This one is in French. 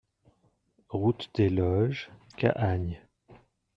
Route des Loges, Cahagnes